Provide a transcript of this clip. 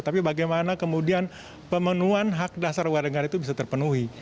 tapi bagaimana kemudian pemenuhan hak dasar warga negara itu bisa terpenuhi